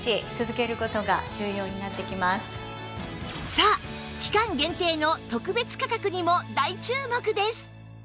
さあ期間限定の特別価格にも大注目です！